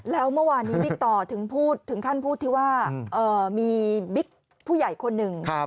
แล้วเมื่อวานนี้บิ๊กต่อถึงพูดถึงขั้นพูดที่ว่ามีบิ๊กผู้ใหญ่คนหนึ่ง